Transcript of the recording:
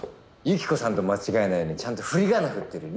ユキコさんと間違えないようにちゃんと振り仮名振ってる。